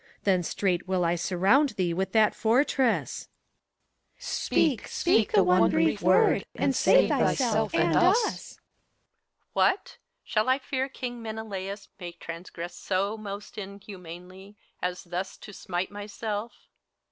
Then straight will I surround thee with that fortress. ACT III, 153 CHORUS. Speak, speak the one brief word, and save thyself and ns! HELENA. What ! Shall I fear King Menelaus may transgress So most inhumanly, as thus to smite myself?